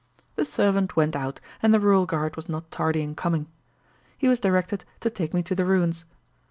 The servant went out and the rural guard was not tardy in coming. He was directed to take me to the ruins.